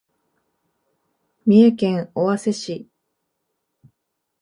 三重県尾鷲市